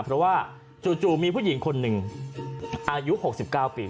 เพราะว่าจู่มีผู้หญิงคนหนึ่งอายุ๖๙ปี